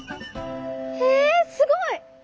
えすごい。